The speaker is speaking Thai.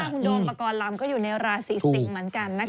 คุณโดมปกรณ์ลำก็อยู่ในราศีสิงศ์เหมือนกันนะคะ